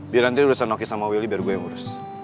biar nanti urusan oki sama willy biar gua yang urus